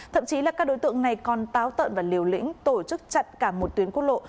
thậm chí là các đối tượng này còn táo tợn và liều lĩnh tổ chức chặn cả một tuyến quốc lộ